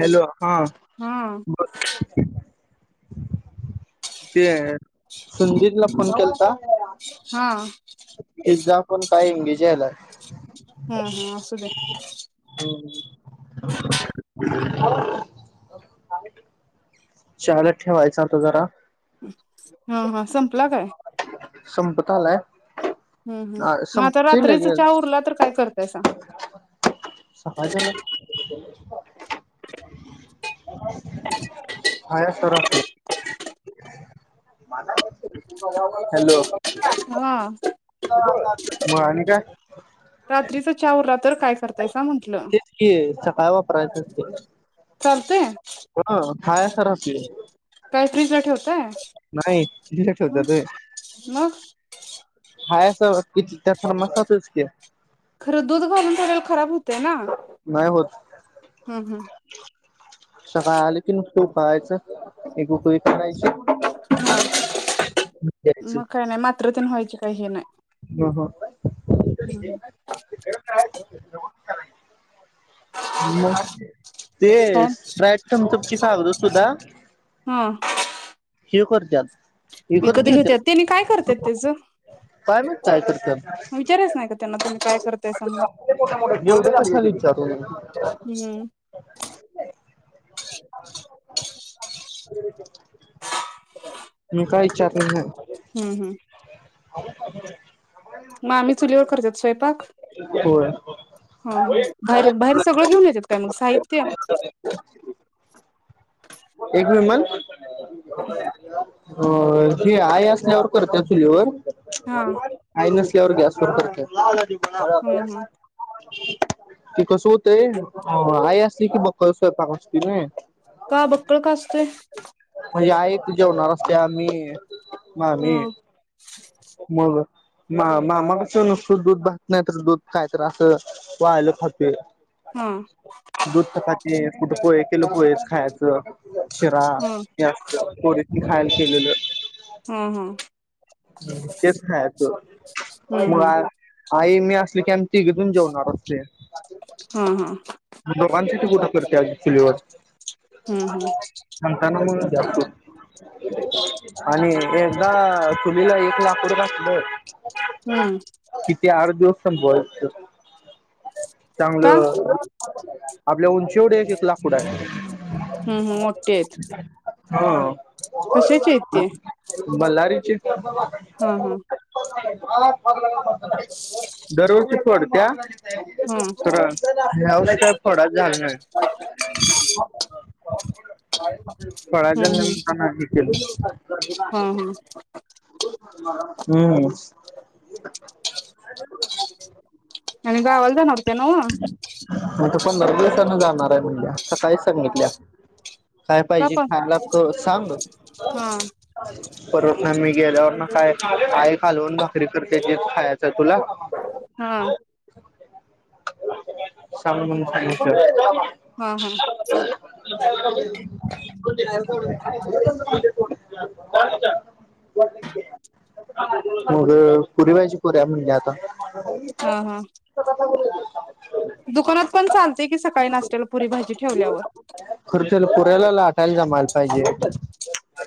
Hello हा हा ते सुंदीरला फोन केलाता हा. पण का इंगेज यायलाय. हा हा असू दे [inaudible] चहाला ठेवायचं आता जरा हा हा संपला काय? संपत आलाय. हम् हम मग आता रात्रीच चहा उरला तर काय कर कसा सकायच्या ला खपतोय हाय असा राहतोय. हॅलो हा [inaudible] मग आणि काय? रात्रीचा चहा उरला तर काय करतायसा म्हंटलं तेच की सकाळी वापरायच चालते ह हय खरच ये कायतरी त् ठेवतय तिला ह ठेवतात होय मग हाय त्या समजतातच की खरं दूध घालून ठेवलेलं खराब होतय ना हम्म नाही होत हम्म सकाळ आले की उठून पळायचं एकुक कढायची हा मग काय नाही मात्र तीन व्हायचे काही नाही हं हं हम्म हम्म म्म ते काय रईटम चप च खावत सुधा हा किव करत्यात विकत ईकत घेतात घेत्यात त्यानी काय करत्यात त्याचं काय माहित काय करत्यात, विचारायच नाही का त्यांना तुम्ही काय करतायसा म्हणून एवढं कशाला विचारलं म हम्म मी काय इचारला नही. हम्म हम्म म आम्ही चुलीवर करत्यात स्वयंपाक होय ह ह बाहेर बाहेर सगळं घेऊन येत्यात काय मग साहित्य [inaudible] हो हि आया अ त्यावर करत्या चुलीवर हा [inaudible] [inaudible] ते हा हा कस होतय, आया [unintelligible] [unintelligible] का बक्कळ का असतंय? त्या आम्ही मामीं म मा मामा कस नुसतं दूध भात नाही तर दूध काय तर असं वाळलं खातूयं. हा दूध चपाती कुठं कोय एक किलो पोहेच खायाचं. शिरा हा [unintelligible] मी खायालाकेलेलं. हा हा [inaudible] तेच खायाचं हूं हूं आई, मी असली की आम्ही तिघे पण जेवणार असतुया. हा हा [unintelligible] कर त्याच चुलीवर. हूं हूं म्हणताना मग जातो. आणि एकदा चुलीला एक लाकूड घातलं हम्म किती हार देऊ? [unintelligible] का चांगलं आपल्या उंची एवढे एक एक लाकूड हाय. हं हं, मोठे आहेत. ह. कशाचे आहेत ते [inaudible] मल्लारीची. [unintelligible] हा हा [unintelligible] गरू [inaudible] डत्या हा हम्म हा फोडा जा ना [unintelligible] पडायच्या हम्म निमित्तान हे केलं हा हा हम्म गावाला जाणार होतं नव्ह [inaudible] सकाळीच सांगितल्या काय का पाहिजे पण खायला सांग हा खरं मी गेल्यावर ना काय आई कालवन भाकरी करते ते खायचं तुला हा सांग म्हणून सांगतंय हा हा [inaudible] मग पुरी भाजी करूया म्हटल्या आता हा, हा दुकानात पण चालतय कि सकाळी नाशत्याला पुरी भाजी ठेवल्यावर खरं त्याला [inaudible] जमायला पाहिजे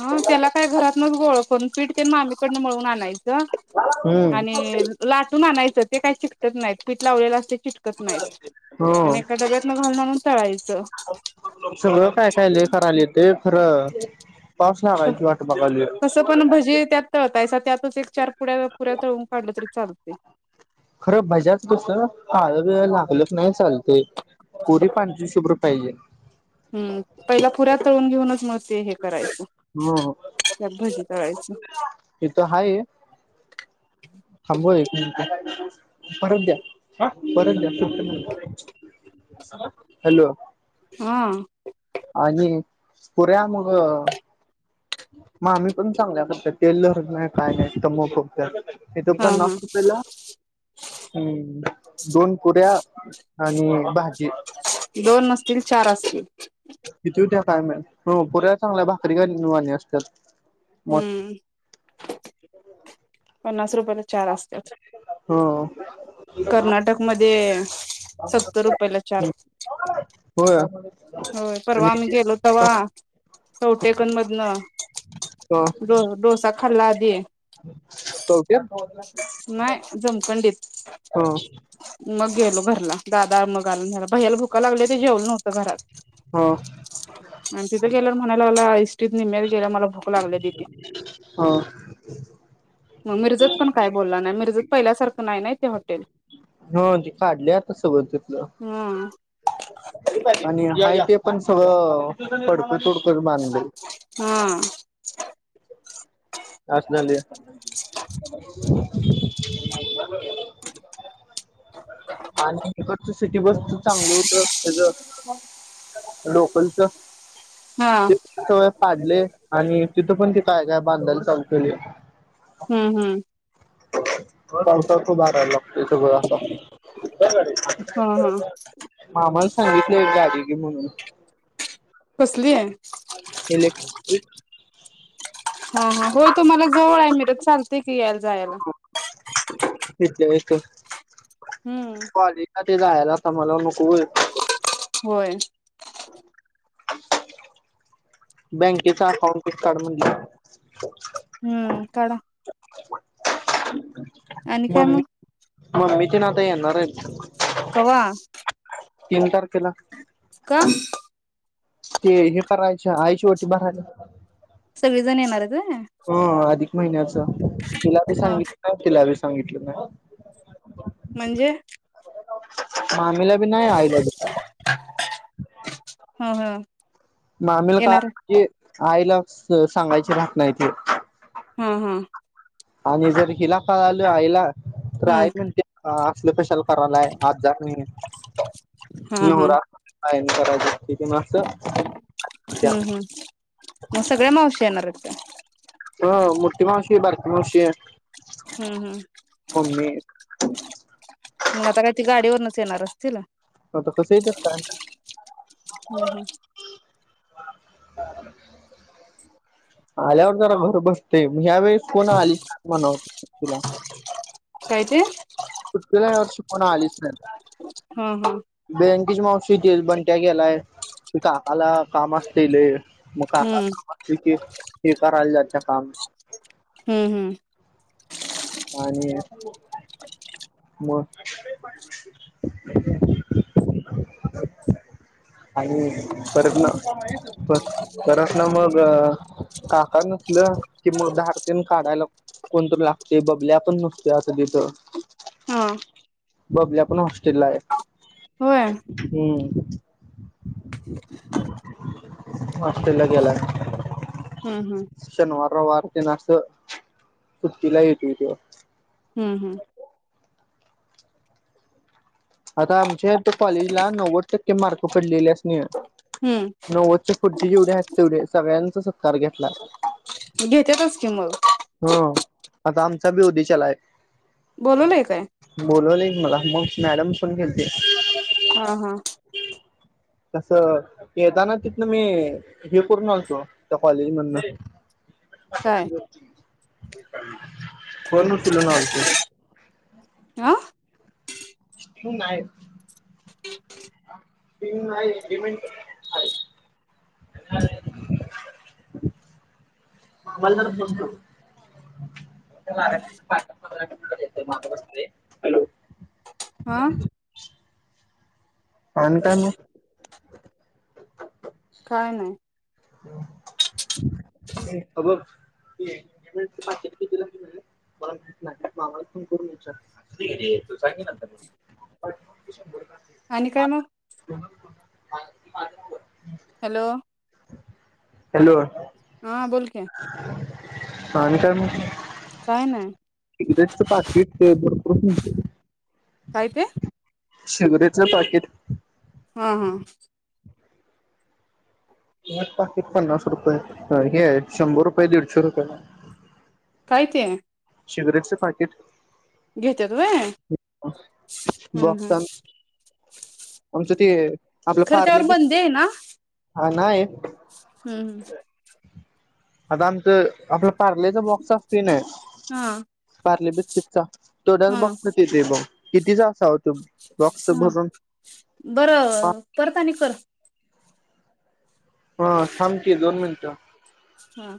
ह त्याला काय घरातनच गोळ पीठ तेन मामी कडन मळून आणायचं हम्म आणि लाटून आणायचं ते काही चिकटत नाही पीठ लावलेला असते चटकत नाहीआणि एका हो डब्यातन घालून आणून तळायच सगळं काय काय लय करायला येत ते खरं पाऊस लागायची वाट बघालोय. तसं पण भजी त्यात तळतायसा त्यातच एक चार पु्या पुऱ्या तळून काढलं तरी चालतंय खरं भज्याच कसं काळ बिळ लागल न चालतय पुरी पांढरी शुभ्र पाहिजे हम्म पहिला पुऱ्या तळून घेऊनच मग ते हे करायचं हम्म त्यात भजी तळायचं इथं हाय [inaudible] परत द्या परत द्या हॅलो हा आणि पुऱ्या मग मग आम्ही पण चांगल्या करतात. तेल लावत नाही काय नाही. टम्म फुगत्यात. हे तो हा पन्नास हा रुपयाला, हम्म. दोन पुऱ्या आणि भाजी. दोन नसतील चार असतील. कितीे होत्या काय माहित? पण पुऱ्या चांगल्या भाकरी गवाणी असत्यात. हं. पन्नास रुपयाला चार असत्यात. ह कर्नाटक मध्ये सत्तर रुपयला चार. होय होय, आणि परवा आम्ही गेलो तव्हा चवटेकन मधन डो डोसा खा खाल्लादी. चव नाही, जमखंडीत. हां, मग गेलो घरला, दादा मग आलं न्यायला. भय्याला भुका लागल्या होत्या. जेवलो नव घरात. ह आणि तिथं गेल्यावर म्हणायला लागला इष्टीत निम्यात गेल्यावर मला भूक लागल्या दिदी. ह मग मिरजत पण काय बोलला नाही. मिरजत पहिल्यासारखं नाही ना ते हॉटेल? हा ती काढली आता सगळ तिथलं. हम्म आणि ते पण सगळं पडकू तुड कूड बांदलय हा [inaudible] असलं. आणि तिकडचं स सिटी बसच चांगल होत त्याच, लोकलच हां. काढले आणि तिथं पण ते काय, काय, बांधायला. चालु केले. हु हु! पावसात उभा राहिला इथं बगा, हा हा मामान. सांगितले, एक गाडी घे म्हणून. कसली आहे. इलेक्ट्रिक हा हा होय, तुम्हाला जवळ आहे. [unintelligible] चालत की यायाला जायला. थं. हूं! जायलाच आम्हाला नुक होय. होय. बँकेचा अकाउंट ते काढ म्हनंलं. हूं काडा. [inaudible] आणि काय मम्मी मग? मम्मी, तेन आता येणार आहेत. कवा. तीन तारखेला. का? ते हे करायच्या, आईची ओटी भरायले. सगळे जण येणारेत व्हय? महिन्याच. तिला, बी हा सांगितलं तिला, बी सं सांगितल म्या. म्हणजे मामीला बी नाही, आईला बी ह ह मामीला येणार आहे. काय ए आईला स सांगायची राहत नाही ती. हूं! आणि जर हिला कळाल आईला. तर हम्म आई म्हणते हा असल कशाला. [unintelligible] आत जात नाही. हा हा नवरा हांतराय आहे [inaudible] हम्म हम्म मग सगळ्या मावश्या येणारेत? [inaudible] ही बारकी मावशीये. हम्म हम्म. [inaudible] म आता काय ते गाडीवरनच येणार असतील? हा त कस येत काय? हम्म हम्म. आल्यावर जरा घर बसते. ह्या वेळेस कोणा आली म्हणत. [inaudible] काय ते [unintelligible] या वर्ष कोण आलीच नाय. हां हां [unintelligible] बंट्या गेलाय काकाला काम असतील. मग काका हम्म काम असतील ते करायला जात त काम हम्म हम्म. आणि मग आणि परत ना पर परत ना मग काका नसलं की मग धारतीन काढायला कोणतरी लागतं. ते बबल्या पण नुसत आता तिथ हा बबल्या पण हॉस्टेलला आहे. होय. हम्म हॉस्टेलला गेलाय. हम्म हम्म. शनिवार रैवार तेनं असं सुट्टीला ये [unintelligible] हम्म हम्म आता आमच्या त कॉलेजला नव्वद टक्के मार्क पडलेलेच नाई आता. हम्म. फुडची जेवडी हेत तेवढे सगळ्यांचा सत्कार घेतला. घेतेतच की मग. हं. आता आमचा बी उदिच्यालाए. बोलवलंय काय? बोलवलय मला मग मॅडम पन गेलते. हा हा तसं येताना तिथन मी हे करून आणतो त्या कॉलेज मधनं काय? [inaudible] [inaudible] कोणउचलून आलत आं नाय [inaudible] [inaudible] [inaudible] हा आणि काय मग? काय नाय? [unintelligible] आणि काय मग? माझ [unintelligible] हॅलो हॅलो [unintelligible] आणि काय मग? काय नाही. सिगरेटच पाकीट ते पोरं [unintelligible] काय ते? सिगरेटचं पाकीट. हा हा. पाकीट पन्नास रुपये, हे आहे शंभर रुपये दीडशे रुपये. किते हे? शिगरेटचे पाकीट घेतात व्हय, हा हा. बघतान आमचं ते. आपलं खरं पार्ले त्यावर बंदी बिस्किट आहे ना? हा नाही. हम्म. आता आमच आपलं पारलेचा बॉक्सचा फिल आहे. हा. पार्ले बिस्किटचा. थोड्यावेळ हा बघतो की. किती जाच आहोत. हा बरं परत आणि कर. हा सांग की दोन मिनटं. हा.